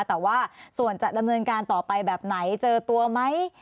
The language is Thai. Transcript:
แต่ว่าส่วนจะดำเนินการต่อไปแบบไหนเจอตัวไหม